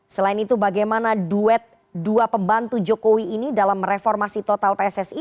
selain itu bagaimana duet dua pembantu jokowi ini dalam reformasi total pssi